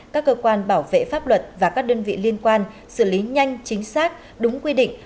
các cơ quan bảo vệ pháp luật và các đơn vị liên quan xử lý nhanh chính xác đúng quy định